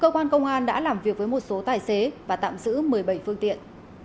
cơ quan công an đã làm việc với một số tài xế và tạm giữ một mươi bảy phương tiện